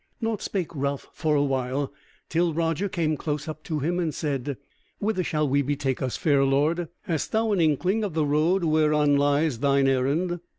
Nought spake Ralph for a while till Roger came close up to him and said: "Whither shall we betake us, fair lord? hast thou an inkling of the road whereon lies thine errand?"